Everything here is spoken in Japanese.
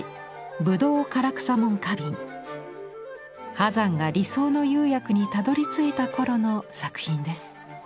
波山が理想の釉薬にたどりついた頃の作品です。